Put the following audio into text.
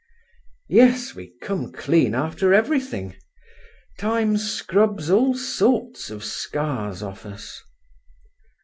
"Yes, we come clean after everything. Time scrubs all sorts of scars off us."